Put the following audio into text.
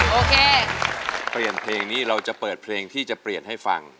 โอเคเปลี่ยนเพลงนี้เราจะเปิดเพลงที่จะเปลี่ยนให้ฟัง